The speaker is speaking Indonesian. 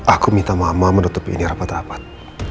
aku minta mama menutupi ini rapat rapat